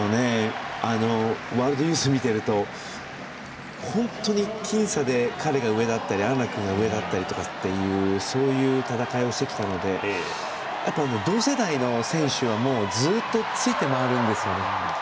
ユースを見ていると本当に僅差で彼が上だったり安楽が上だったりっていうそういう戦いをしてきたので同世代の選手は、ずっとついてまわるんですよね。